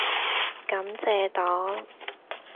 感謝黨